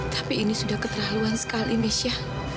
tapi ini sudah keterlaluan sekali michel